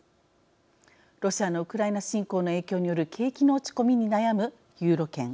ロシアのウクライナ侵攻の影響による景気の落ち込みに悩むユーロ圏。